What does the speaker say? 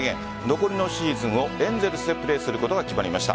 残りのシーズンをエンゼルスでプレーすることが決まりました。